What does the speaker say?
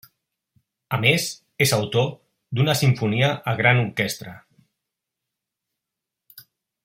A més, és autor, d'una simfonia a gran orquestra.